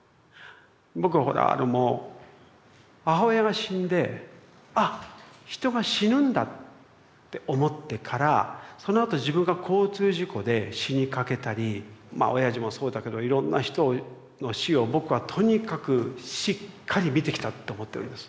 僕ほらもう母親が死んで「あっ人が死ぬんだ」って思ってからそのあと自分が交通事故で死にかけたりまあおやじもそうだけどいろんな人の死を僕はとにかくしっかり見てきたって思ってるんです。